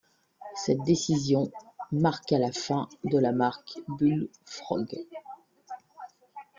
Cette décision marqua la fin de la marque Bullfrog.